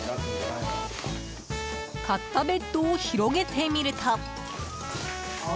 買ったベッドを広げてみると。